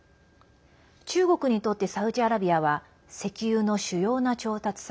中国にとってサウジアラビアは石油の主要な調達先。